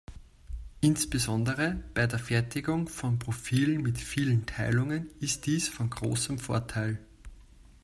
Insbesondere bei der Fertigung von Profilen mit vielen Teilungen ist dies von großem Vorteil.